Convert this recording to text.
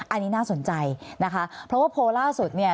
อันนี้น่าสนใจนะคะเพราะว่าโพลล่าสุดเนี่ย